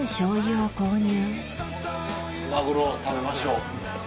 マグロを食べましょう。